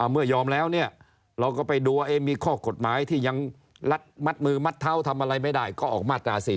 ไม่ยอมแล้วเนี่ยเราก็ไปดูว่ามีข้อกฎหมายที่ยังมัดมือมัดเท้าทำอะไรไม่ได้ก็ออกมาตรา๔